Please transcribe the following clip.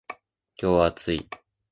今日は暑い。